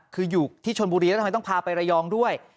คืออยู่ที่ชนบุรีแล้วทำไมต้องพาไประยองด้วย